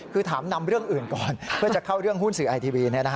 คือถามนำเรื่องอื่นก่อนเพื่อจะเข้าเรื่องหุ้นสื่อไอทีวี